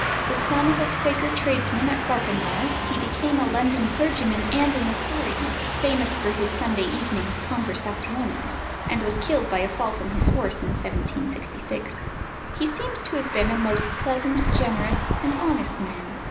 The son of a Quaker tradesman at Clerkenwell, he became a London clergyman and an historian, famous for his Sunday evenings' conversaziones, and was killed by a fall from his horse in 1766. He seems to have been a most pleasant, generous, and honest man.